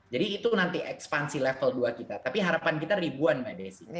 jadi itu nanti ekspansi level dua kita tapi harapan kita ribuan mbak desi